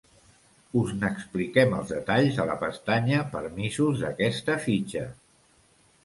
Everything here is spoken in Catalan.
Us n'expliquem els detalls a la pestanya Permisos d'aquesta fitxa.